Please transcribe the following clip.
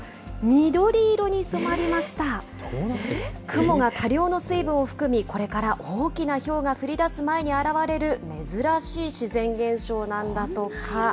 雲が多量の水分を含み、これから大きなひょうが降りだす前に現れる珍しい自然現象なんだとか。